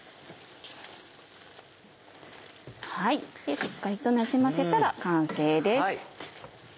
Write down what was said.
しっかりとなじませたら完成です。